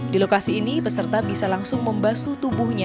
di lokasi ini peserta bisa langsung membasu tubuhnya